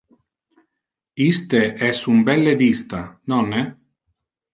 Iste es un belle vista, nonne?